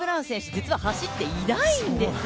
実は走っていないんですよ。